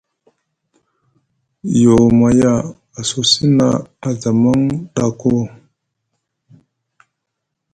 Yoo maya a sosi na a zamaŋ ɗa ko.